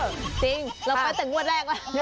เออจริงเราไปตั้งวันแรกล่ะ